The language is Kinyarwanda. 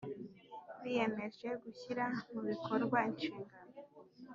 biyemeje gushyira mu bikorwa inshingano